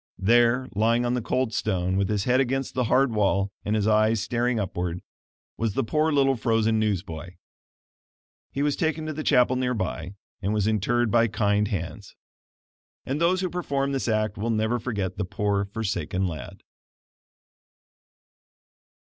There, lying on the cold stone, with his head against the hard wall, and his eyes staring upward, was the poor little frozen newsboy. He was taken to the chapel near by, and was interred by kind hands. And those who performed this act will never forget the poor forsaken lad.